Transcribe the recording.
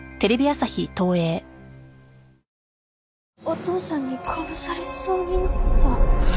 お父さんに殺されそうになった。